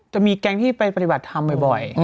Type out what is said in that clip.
จะมีแก๊งที่ไปปฏิบัติธรรมบ่อย